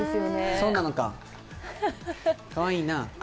そうなのか、かわいいな。